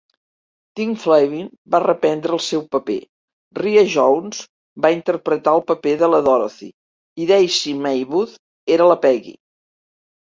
Tim Flavin va reprendre el seu paper, Ria Jones va interpretar el paper de la Dorothy i Daisy Maywood era la Peggy.